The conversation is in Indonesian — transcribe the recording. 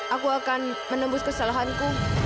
aku akan menembus kesalahanku